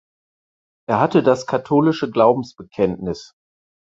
Er hatte das katholische Glaubensbekenntnis.